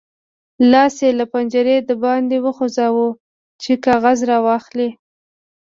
لاس یې له پنجرې د باندې وغځاوو چې کاغذ راواخلي.